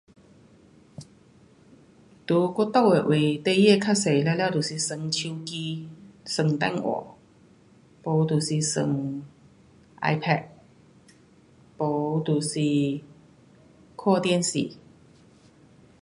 在我地方大多全部玩手机，玩电话，不就是玩 i-pad，不就是看电视。